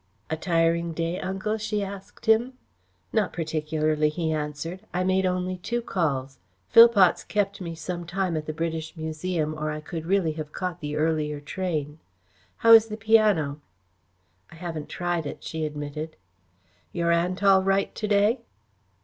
"A tiring day, Uncle?" she asked him. "Not particularly," he answered. "I made only two calls. Phillpots kept me some time at the British Museum, or I could really have caught the earlier train. How is the piano?" "I haven't tried it," she admitted. "Your aunt all right to day?"